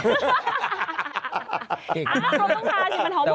เขาต้องกราชินมันหอมหอม